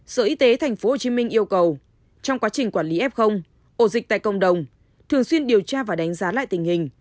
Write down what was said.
sở y tế tp hcm yêu cầu trong quá trình quản lý f ổ dịch tại cộng đồng thường xuyên điều tra và đánh giá lại tình hình